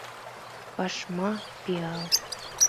Пашма — пиал